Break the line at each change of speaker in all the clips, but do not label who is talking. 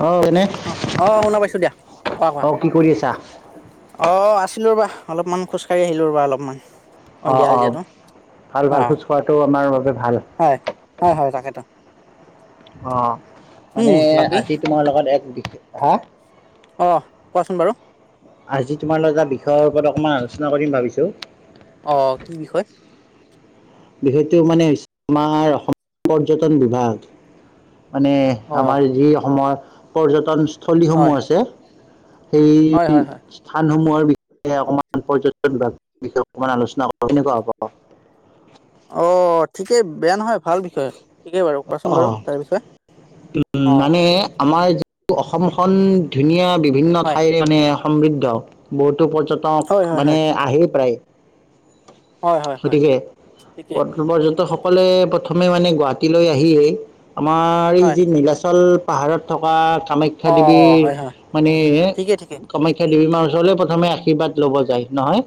অ এনে
অ', অ', শুনা পাইছোঁ দিয়া কোৱা কোৱা।
অ কি কৰি আছা
অ' আছিলোঁ ৰ'বা অলপমান খোজ কঢ়ি আহিলোঁ ৰ-বা অলপমান।
অ',
সন্ধিয়া
অ',
যিহেতু
ভাল
অ
ভাল খোজ কঢ়াটো আমাৰ বাবে ভাল।
হয়, হয়, হয় তাকেতো।
অ' মানে
উম বাকী
আজি তোমাৰ লগত এক বিষ হা
অ' কোৱাচোন বাৰু।
আজি তোমাৰ লগত এটা বিষয়ৰ ওপৰত অকমান আলোচনা কৰিম ভাবিছোঁ।
অ' কি বিষয়?
বিষয়টো মানে হৈছে তোমাৰ অসমৰ পৰ্যটন বিভাগ, মানে
অ
আমাৰ যি অসমৰ পৰ্যটন
হয়
স্থলীসমূহ
হয়
আছে, সেই
হয় হয় হয়
স্থানসমূহৰ বিষয়ে অকণমান পৰ্যটন বিভাগৰ বিষয়ে অকণমান আলোচনা কৰিম কেনেকুৱা হ'ব।
[unintelligible] ঠিকেই বেয়া নহয় ভাল বিষয়, ঠিকেই বাৰু কোৱাচোন বাৰু তাৰ বিষয়ে, অ'।
এ, আমাৰ যে অসমখন ধুনীয়া বিভিন্ন
হয়
ঠাইৰে মানে সমৃদ্ধ, বহুতো পৰ্যটক
হয়
টক
হয়
মানে
হয়
আহেই প্ৰায়।
হয় হয় হয়
গতিকে
ঠিকেই
পৰ্যটকসকলে প্ৰথমে মানে গুৱাহাটীলৈ আহিয়েই আমাৰ এই
হয়
যি নীলাচল পাহাৰত থকা কামাখ্যা
অ
দেৱী,
হয় হয়
মানে
ঠিকেই ঠিকেই
কামাখ্যা দেৱীৰ মাৰ ওচৰলৈ প্ৰথমে আশীৰ্বাদ ল'ব যায় নহয়।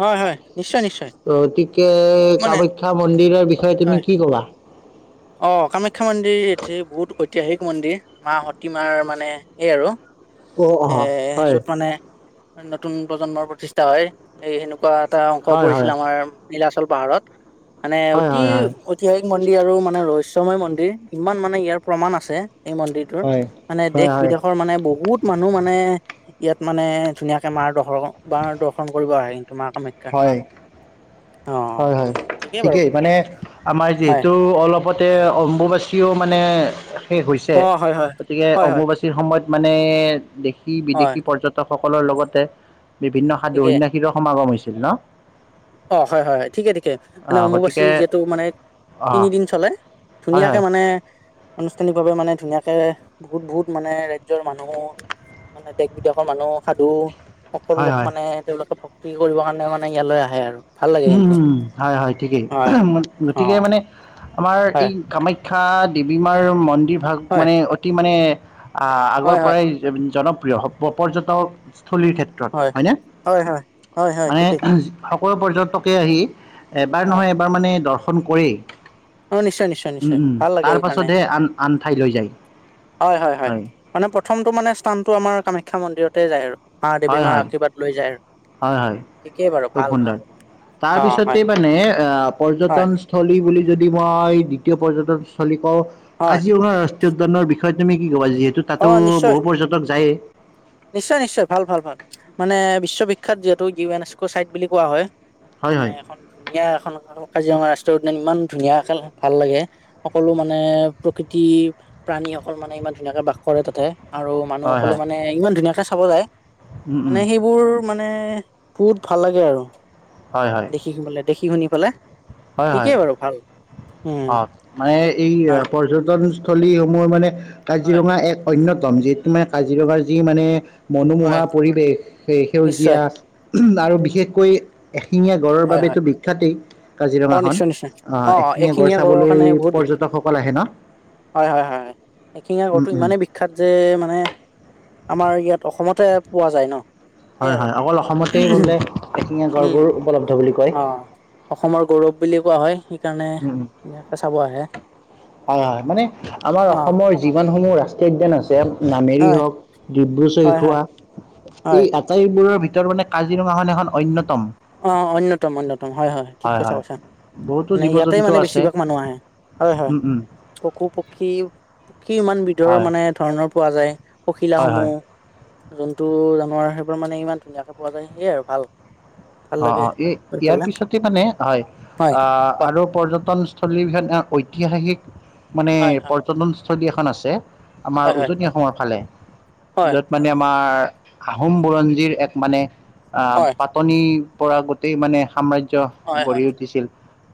হয়, হয়, নিশ্চয় ‌নিশ্চয়।
গতিকে কামাখ্যা মন্দিৰৰ বিষয়ে
হয়
তুমি কি ক'বা?
অ' কামাখ্যা মন্দিৰ এটি বহুত ঐতিহাসিক মন্দিৰ মাঁ সতীমাৰ মানে সেই আৰু
অ',
এ,
অ', হয়,
য'ত মানে নতুন প্ৰজন্মৰ প্ৰতিষ্ঠা হয়, এই সেনেকুৱা এটা অংশ
হয়,
পৰিছিল
হয়,
আমাৰ নীলাচল পাহাৰত, মানে
হয়, হয়,
অতি
হয়,
অ ঐতিহাসিক মন্দিৰ আৰু মানে ৰহস্যময় মন্দিৰ, ইমান মানে ইয়াৰ প্ৰমাণ আছে এই মন্দিৰ [unintelligible]
হয়,
মানে
হয়,
দেশ
হয়।
বিদেশৰ মানে বহুত মানুহ মানে ইয়াত মানে ধুনীয়াকে মাৰ দৰ্শ মাৰ দৰ্শন কৰিব আহে কিন্তু মাঁ কামাখ্যা
হয়।
অ
হয়, হয় ঠিকেই মানে আমাৰ
হয়
যিহেতু অলপত তাতে অম্বুবাচীও মানে শেষ হৈছে,
অ হয় হয়
গতিকে
হয় হয়
অম্বুবাচী সময়ত মানে দেশী
হয়
বিদেশী পৰ্যটকসকলৰ লগতে বিভিন্ন সাধু
ঠিকে
সৈন্যাস শীৰ সমাগম হৈছিল ন'।
অ' হয়, হয়, হয় ঠিকে ঠিকে। মানে
আহ
অম্বুবাচী
গতিকে
যিহেতু মানে
অঁ
তিনিদিন চলে,
হয়
ধুনীয়াকে
হয়
মানে আনুষ্ঠানিকভাৱে মানে ধুনীয়াকে বহুত বহুত মানে ৰাজ্যৰ মানুহ মানে দেশ বিদেশৰ মানুহ সাধু সকলো
হয়
লোক
হয়
মানে তেওঁলোকে ভক্তি কৰিবৰ কাৰণে মানে ইয়ালৈ আহে আৰু। ভাল লাগে
উম,
কিন্তু
উম, হয় হয় ঠিকেই,
হয় অ
গতিকে মানে আমাৰ
হয়
এই কামাখ খ্যা দেৱী মাৰ মন্দিৰ ভাগ
হয়
মানে অতি মানে আ-আগৰ
হয় হয়
পৰাই জনপ্ৰিয় প-পৰ্যটকস্থলীৰ ক্ষেত হয় নে,
হয় হয় হয় হয়
মানে
ঠিকেই
সকলো পৰ্যটকে আহি, এবাৰ
হয়
নহয়, এবাৰ মানে দৰ্শন কৰেই।
অ নিশ্চয় নিশ্চয়
উম,
নিশ্চয়
উম,
ভাল লাগে
তাৰ
এইকাৰণে
পাছতহে, আন, আন ঠাই লৈ যায়, হয়।
মানে প্ৰথমটো মানে স্থানতটো আমাৰ কামাখ্যা মন্দিৰতে যায় আৰু। মা, দেৱী
হয়
মাৰ
হয়
আশীৰ্বাদ লৈ যায়,
হয়
আৰু ঠিকেই বাৰু ভাল, ভাল।
তাৰ
অ
পিছতে
হয়
মানে অ,
হয়
পৰ্যটন স্থলী বুলি যদি মই, দ্বিতীয় পৰ্যটনস্থলী কওঁ
হয়
কাজিৰঙা ৰাষ্ট্ৰীয় উদ্যানৰ বিষয়ে তুমি কি ক'বা, যিহেতু
অ
তাতো
নিশ্চয়
বহু পৰ্যটক যায়েই।
নিশ্চয়, নিশ্চয় ভাল, ভাল, ভাল, মানে বিশ্ববিখ্যাত যিহেতু ইউ, এন, এছ, চাইট বুলি কোৱা হয়।
হয়
মানে,
হয়
এখন ধুনীয়া এখন কাজিৰঙা ৰাষ্ট্ৰ উদ্যান, ইমান ধুনীয়া খ, ভাল লাগে। সকলো মানে প্ৰকৃতি প্ৰাণীসকল, মানে ইমান ধুনীয়াকে বাস কৰে তাতে। আৰু মানুহ
হয়
সকলো
হয়
মানে ইমান ধুনীয়াকে চাব যায়,
উম উম
মানে সেই বোৰ মানে বহুত ভাল লাগে আৰু
হয় হয়
দেখি-দেখি, শুনি পেলে।
হয়, হয়।
উম
অ, মানে এই
হয়
পৰ্য্যটনস্থলী সমূহ মানে
হয়
কাজিৰঙা এক। অনয়তম যিহেতু মানে কাজিৰঙাৰ যি মানে মনোমোহা,
হয়
পৰিৱেশ সেই, সেউজীয়া।
নিশ্চয়
আৰু বিশেষকৈ এশিঙীয়া গঁড়ৰ
হয়
বাবেতো
হয়
বিখ্যাতেই।
অ,
কাজিৰঙাখন
নিশ্চয়, নিশ্চয়, অ,
এশিঙীয়া গঁড়
এখিঙীয়া গড়ৰ
চাবলৈ
কাৰণে বহুত বিখ্যাত।
পৰ্যটকসকল আহে ন
হয়, হয়, হয়, হয়, এখিঙীয়া
উম,
গড়ঁটো
উম,
ইমানে, বি বিখ্যাত যে মানে, আমাৰ ইয়াত অসমতে পোৱা যায় ন। সেই
হয়,
আৰু
হয়, অকল অসমতেই বোলে, এখিঙিয়া
উম
গড়বোৰ উপলব্ধ বুলি কয়।
অ, অসমৰ গৌৰৱ বুলি কোৱা হয়, সেইকাৰণে
উম, উম,
ইয়াকে চাব আহে।
হয়, হয়, মানে আমাৰ
অ
অসমৰ যিমানসমূহ ৰাষ্ট্ৰীয় উদ্যান আছে। নামেৰি
হয়
হ'ওক, ডিব্ৰু
হয় হয়
চৈখোৱা এই
হয়
আটাইবোৰৰ ভিতৰত মানে, কাজিৰঙাখন এখন অন্যতম।
অ, অন্যতম, অন্যতম হয়, হয়, ঠিক কথা কৈছা।
বহুতো
মানে
জীৱ
ইয়াতে
জন্তু
মানে
আছে
বেছিভাগ মানুহ আহে। হয়, হয়,
উম উম
পশু-পক্ষী। পক্ষী, ইমান বিধৰ
হয়
মানে ধৰণৰ পোৱা যায়, পখিলা
হয় হয়
সমূহ। জন্তু জানোৱাৰ সেই পৰা মানে, ইমান ধুনীয়াকে পোৱা যায় সেয়াই আৰু ভাল। ভাল
অ,
লাগে
অ, এই
গৈ
ইয়াৰ
পেলাই
পিছতে মানে হয়।
হয়
অ, আৰু পৰ্যটনস্থলী এখন, ঐতিহাসিক মানে
হয় হয়
পৰ্যটনস্থলী এখন আছে। আমাৰ
হয় হয়
উজনি, অসমৰ ফালে
হয়
য'ত মানে, আমাৰ আহোম বুৰঞ্জীৰ এক মানে
হয়
পাতনি পৰা গোটেই মানে সাম্ৰাজ্যৰ
হয় হয়
গঢ়ি উঠিছিল,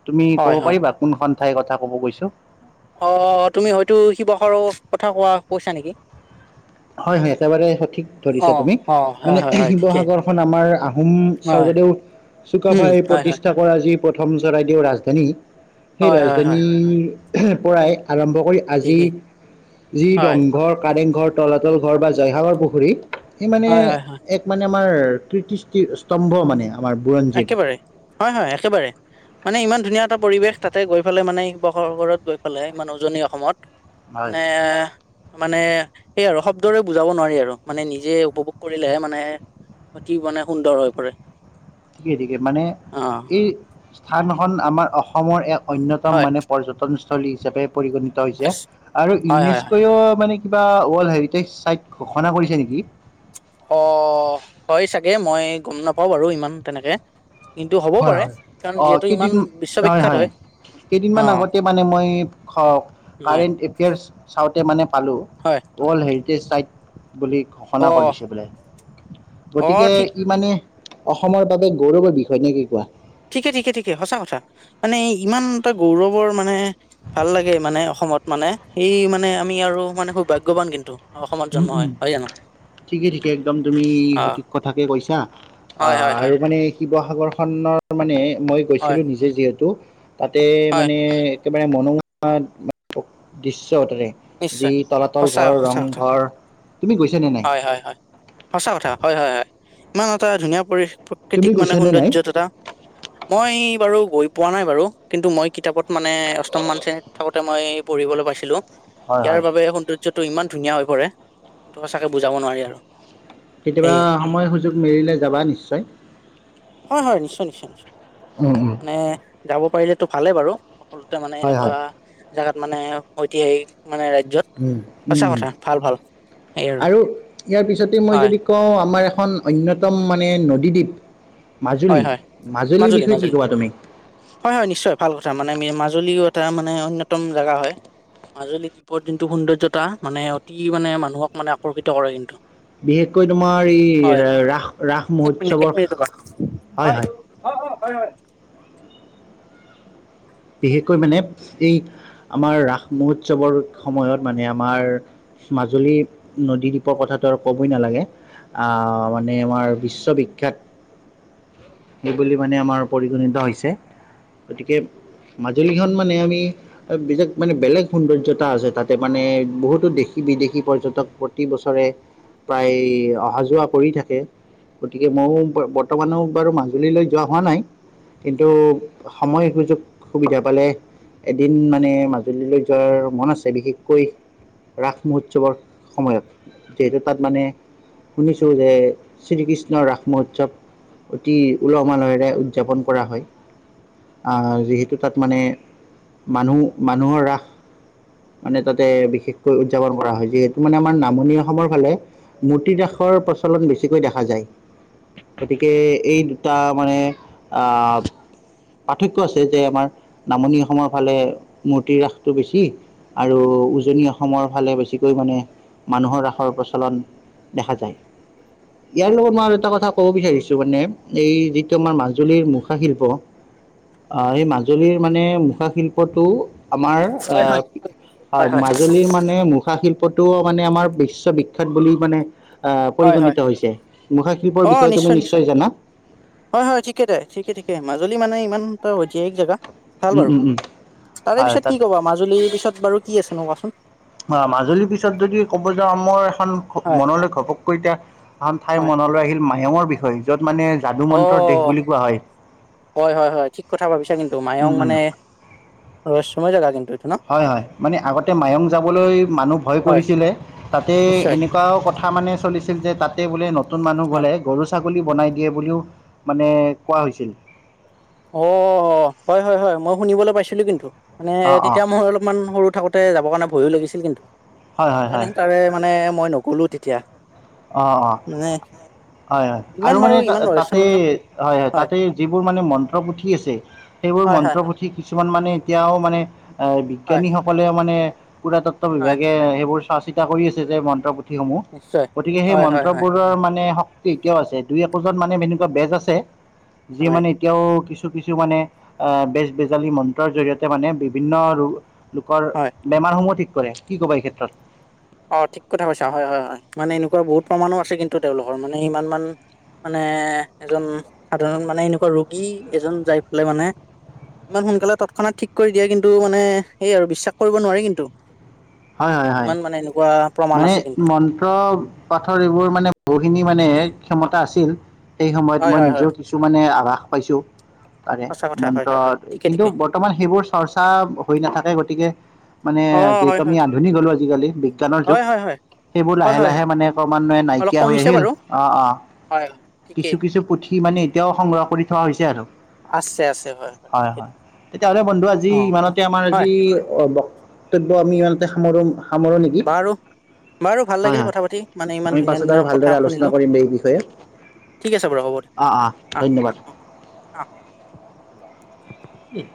তুমি
হয়
ক'ব
হয়
পাৰিবা? কোনখন ঠাইৰ কথা ক'ব গৈছোঁ?
অ, তুমি হয়তো শিৱসাগৰৰ কথা কোৱা, কৈছা নেকি?
হয়, হয় একেবাৰে সঠিক
অ
ধৰিছা তুমি।
অ হয়
মানে
হয় হয় ঠিকে
শিৱসাগৰখন, আমাৰ আহোম
হয়
স্বৰ্গদেউ
উম
চুকাফাই
হয় হয়
প্ৰতিষ্ঠা পৰাজি প্ৰথম, চৰাইদেউ ৰাজধানী, সেই
হয় হয় হয়
ৰাজধানীৰ পৰাই আৰম্ভ কৰি, আজি
ঠিকেই
যি
হয়
ৰংঘৰ-কাৰেংঘৰ। তলাতল ঘৰ বা জয়সাৱৰ পুখুৰিত এই মানে,
হয় হয় হয়
এক মানে আমাৰ, কীৰ্তি স্তম্ভ মানে। আমাৰ বুৰঞ্জীৰ
একেবাৰে হয়, হয়, একেবাৰে। মানে ইমান ধুনীয়া এটা পৰিৱেশ তাতে গৈ পালে, মানে শিৱসাগৰত গৈ ফালে, উজনি অসমত
হয়
মানে মানে সেই আৰু শব্দৰে বুজাব নোৱাৰি আৰু মানে নিজে উপভোগ কৰিলেহে মানে অতি মানে সুন্দৰ হৈ পৰে।
ঠিকে ঠিকে মানে
অ।
স্থানখন আমাৰ অসমৰ এক অন্যতম
হয়
মানে পৰ্যটন চলী হিচাপে পৰিগণিত হৈছে আৰু
হয় হয় হয়
ইউনেস্কোও মানে কিবা ৱৰ্ল্ড হেৰিটেজ চাইট ঘোষণা কৰিছে নেকি?
অ হয় চাগে মই গম নাপাও বাৰু ইমান তেনেকে। কিন্তু হ'ব
হয়
পাৰে
হয়।
কাৰণ
অ
যিহেতু
কেইদিন
ইমান বিশ্ববিখ্যাত হয়। অ
কেইদিনমান আগতে মানে মই
হয়
কাৰেণ্ট এফেয়াৰ্চ চাওঁতে মানে পালো।
হয়।
ৱৰ্ল্ড হেৰিটেজ চাইট বুলি
অ
ঘোষণা কৰি দিছে বোলে,
অ
গতিকে
ঠিক
ই মানে অসমৰ বাবে গৌৰৱৰ বিষয় নে কি কোৱা।
ঠিকে ঠিকে ঠিকে সঁচা কথা মানে ইমান এটা গৌৰৱৰ মানে ভাল লাগে মানে অসমত মানে সেই মানে আমি আৰু মানে সু - ভাগ্যৱান কিন্তু। অসমত
উম
জন্ম হয়
উম
হয় জানো।
ঠিকে ঠিকে, একদম তুমি
অ
সঠিক কথাকে কৈছা
হয় হয় হয়
আৰু মানে শিৱসাগৰখনৰ মানে মই
হয়
গৈছিলোঁ নিজে যিহেতু, তাতে
হয়
মানে একেবাৰে মনোমোহা দৃশ্য তাৰে, যি
নিশ্চয়
তলাতল
সঁচা
ভৰ ৰং
সঁচা কথা
ঘৰ। তুমি গৈছানে নাই।
হয় হয় সঁচা কথা, হয় হয় হয় ইমান এটা ধুনীয়া পৰি
তুমি
কৃতিক মানে
গৈছানে নাই?
সৌন্দৰ্যতা।
[unintelligible]
মই বাৰু গৈ পোৱা নাই বাৰু, কিন্তু মই কিতাপত মানে অষ্টম মান শ্ৰেণীত থাকোতে মই পঢ়িবলৈ পাইছিলোঁ।
হয়
ইয়াৰ
হয়
বাবে সৌন্দৰ্যটো ইমান ধুনীয়া হৈ পৰে সঁচাকে বুজাব নোৱাৰি আৰু।
কেতিয়াবা
সেয়ে
সময় সুযোগ মেলিলে যাবা নিশ্চয়।
হয় হয় নিশ্চয় নিশ্চয় নিশ্চয়,
উম উম
মানে যাব পাৰিলেতো ভালে বাৰু। সকলোতে মানে
হয়
এনেকুৱা
হয়
জেগাত মানে ঐতিহাসিক মানে ৰাজ্যত
উম
সঁচা
হম
কথা ভাল ভাল
আৰু ইয়াৰ পিছতেই মই
হয়
যদি কওঁ আমাৰ এখন অন্যতম মানে নদীদ্বীপ।
হয়
মাজুলী
হয়
মাজুলীৰ
মাজুলী
বিষয়ে কি
মাজুলী
কবা তুমি?
হয় হয় নিশ্চয় ভাল কথা, মানে মাজুলীও এটা মানে অন্যতম জেগা হয়। মাজুলী দ্বীপৰ যোনটো সৌন্দ্যৰ্যতা, মানে অতি মানে মানুহক মানে আকৰ্ষিত কৰে কিন্তু।
বিশেষকৈ তোমাৰ ই
হয়
ৰাস ৰাস
এক মিনিট এক
মহোৎসৱৰ
মিনিট ৰ'বা হয়, হয়, হয়, হয়, হয়।
বিশেষকৈ মানে এই আমাৰ ৰাস মহোৎসৱৰ সময়ত মানে আমাৰ মাজুলী নদী দ্বীপৰ কথাটো আৰু ক'বই নালাগে। আ মানে আমাৰ বিশ্ববিখ্যাত। সেই বুলি মানে আমাৰ পৰিগণিত হৈছে। গতিকে মাজুলীখন মানে আমি বেলেগ মানে বেলেগ সৌন্দৰ্যতা আছে তাতে মানে, বহুতো দেশী বিদেশী পৰ্যটক প্ৰতি বছৰে প্ৰায় অহা যোৱা কৰি থাকে। গতিকে মইও বৰ্তমানো বাৰু মাজুলীলৈ যোৱা হোৱা নাই। কিন্তু সময় সুযোগ সুবিধা পালে, এদিন মানে মাজ মাজুলীলৈ যোৱাৰ মন আছে বিশেষকৈ ৰাস মহোৎসৱৰ সময়ত, যিহেতু তাত মানে শুনিছোঁ যে শ্ৰীকৃষ্ণৰ ৰাস মহোৎসৱ অতি উলহ মালহেৰে উদযাপন কৰা হয়, আ যিহেতু তু তাত মানে, মানুহ-মানুহৰ ৰাস মানে তাতে বিশেষকৈ উদযাপন কৰা হয়, যিহেতু মানে আমাৰ নামনি অসমৰ ফালে মূৰ্তি ৰাসৰ প্ৰচলন বেছিকৈ দেখা যায়। গতিকে এই দুটা মানে, আ পাৰ্থক্য আছে যে আমাৰ নামনি অসমৰ ফালে মূৰ্তি ৰাসটো বেছি আৰু উজনি অসমৰ ফালে বেছিকৈ মানে মানুহৰ ৰাসৰ প্ৰচলন দেখা যায়। ইয়াৰ লগত মই আৰু এটা কথা ক'ব বিচাৰিছোঁ মানে, এই যিটো আমাৰ মাজুলীৰ মুখা শিল্প অ', এই মাজ মাজুলীৰ মানে মুখা শিল্পটো আমাৰ, এ
হয়
হয়, মাজুলীৰ মানে মুখ খা শিল্পটোউ মানে আমাৰ বিশ্ববিখ্যাত বুলি মানে আ,
হয় হয় হয়
পৰিগণিত হৈছে, মুখাশিল্পৰ বিষয়ে তুমি নিশ্চয় জানা?
হয় হয়, ঠিকে তাই, ঠিকে ঠিকে, মাজুলী মানে ইমান এটা ঐতিহাসিক জেগা ভাল
উম
বাৰু,
উম উম
তাৰে
হয়
পিছত কি
তাত
ক'বা, মাজুলীৰ পিছত বাৰু কি আছে ন কোৱাচোন।
অ', মাজুলীৰ পিছত যদি ক'ব যাওঁ, মোৰ এখন
হয়
ঘ-মনলৈ ঘপককৈ কৈ এতিয়া এখন ঠাইৰ
হয়
মনলৈ আহিল, মায়ঙৰ বিষয়ে, য'ত মানে যাদু
অ
মন্ত্ৰৰ দেশ বুলি কোৱা হয়।
হয় হয় হয়, ঠিক কথা ভাবিছা কিন্তু, মায়ং
উম, উম,
মানে ৰহস্যময় জেগা কিন্তু এইটো ন?
হয় হয়, মানে আগতে মায়ং যাবলৈ মানুহ ভয়
হয়
কৰিছিলে, তাতে
নিশ্চয়
এনেক কুৱাও কথা মানে চলিছিল যে তাতে বোলে নতুন মানুহ
হয়
গ'লে গৰু-ছাগলী বনাই দিয়ে বুলিও মানে কোৱা হৈছিল।
অ', হয় হয় হয়, মই শুনিবলৈ পাইছিলোঁ কিন্তু, মানে
অ', অ',
তেতিয়া মই অলপমান সৰু থাকোঁত তে যাবৰ কাৰণে ভয়ো লাগিছিল কিন্তু,
হয়, হয়,
সেইকাৰণে
হয়,
তাৰে মানে মই নগ'লো তেতিয়া।
অ' অ',
মানে
হয় হয়,
ইমান
আৰু
বাৰু
মানে
ইমান ৰহস্য
তাত-তাতে হয় হয়, তাতে যিবোৰ মানে মন্ত্ৰ পুথি আছে, সেইবোৰ
হয় হয়
মন্ত্ৰ
হয়
পুথি থি কিছুমান মানে এতিয়াও মানে
হয়
বিজ্ঞানীসকলেও মানে পুৰাতত ত্ব
হয়
বিভাগে সেইবোৰ চোৱা চিতা কৰি আছে যে মন্ত্ৰ পুথিসমূহ
নিশ্চয়
গতিকে সেই
হয় হয় হয়
মন্ত্ৰবোৰৰ মানে শক্তি এতিয়াও আছে, দুই-একোজন মানে এনেকুৱা বেজ আছে যি
হয়
মানে এতিয়াও কিছু কিছু কিছু মানে আ বেজ-বেজালী মন্ত্ৰৰ জৰিয়তে মানে বিভিন্ন লো লোকৰ
হয়
বেমাৰসমূহ ঠিক কৰে, কি ক'বা এই ক্ষেত্ৰত?
অ', ঠিক কথা কৈছা, হয় হয় হয়, মানে এনেকুৱা বহুত প্ৰমাণো আছে কিন্তু তেওঁলোকৰ, মানে ইমানমান মানে এজন সাধাৰণ মানে এনেকুৱা ৰোগী এজন যাই পেলাই মানে ইমান সোনকালে তৎক্ষণাতৎ ঠিক কৰি দিয়ে, কিন্তু মানে সেই আৰু, বিশ্বাস কৰিব নোৱাৰি কিন্তু।
হয় হয় হয়,
ইমান মানে এনেকুৱা প্ৰমাণ
মানে
আছে কিন্তু
ম মন্ত্ৰ পাঠৰ এইবোৰ মানে বহুখিনি মানে ক্ষমতা আছিল সেই সময়ত,
হয়
মই
হয় হয়
নিজেও কিছু মানে আভাস পাইছোঁ। পাৰে,
সঁচা কথা হয় হয় হয়
মন্ত্ৰত
ঠিকে
কিন্তু
ঠিকে
বৰ্তমান সেইবোৰ চৰ্চা হৈ নাথাকে গতিকে মানে
অ হয়
যিহেতু
হয়
আমি আধুনিক হ'লো আজিকালি, বিজ্ঞানৰ
হয়
যুগ
হয় হয়
সেইবোৰ
হয়
লাহে
হয়
লাহে মানে ক্ৰমান্বয়ে
অলপ
নাইকিয়া হৈ
কমিছে
আহিল,
বাৰু
অ' অ'।
হয়
কিছু
ঠিকেই
কিছু পুথি মানে এতিয়াও সংগ্ৰহ কৰি থোৱা হৈছে আৰু।
আছে আছে
হয়
ঠিকে
হয়,
ঠিকে
তেতিয়াহ'লে বন্ধু আজি
অ
ইমানত যে আমাৰ
হয়
আজি বক্তব্য আমি ইমানতে সা সামৰো নেকি।
বাৰু বাৰু ভাল
হয়
লাগিল
হয়
কথা পাতি মানে ইমান
আমি
ধুনীয়া
পাছত আৰু
ধুনীয়া
ভালদৰে
কথা
আলোচনা
শুনিলো।
কৰিম এই বিষয়ে
ঠিক আছে বাৰু হ'ব দিওক।
অ' অ' ধন্যবাদ। ইহ